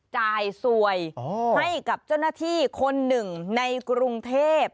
จ่ายสวยให้กับเจ้าหน้าที่คนหนึ่งในกรุงเทพ